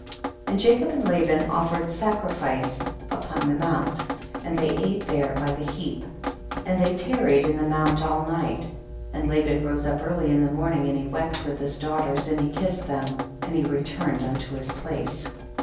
53. And Jacob and Laban offered sacrifice upon the mount, and they ate there by the heap, and they tar ried in the mount all night, and La ban rose up early in the morning, and he wept with his daughters and he kissed them, and he returned un to liis place.